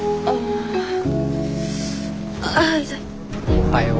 おはよう。